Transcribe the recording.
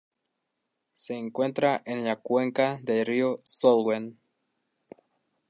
Se encuentra en la cuenca del río Salween.